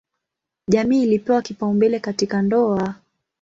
Jamii ilipewa kipaumbele katika ndoa.